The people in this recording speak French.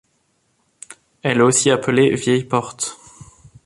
Elle est aussi appelée Vieille porte.